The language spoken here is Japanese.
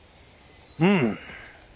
うん。